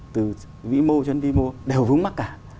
từ vĩ mô cho đến vĩ mô đều vướng mắt cả